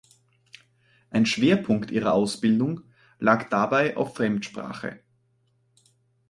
Ein Schwerpunkt ihrer Ausbildung lag dabei auf Fremdsprache.